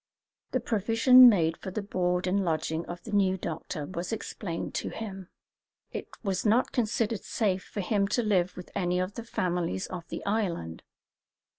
The provision made for the board and lodging of the new doctor was explained to him. It was not considered safe for him to live with any of the families of the island.